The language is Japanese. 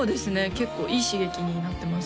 結構いい刺激になってます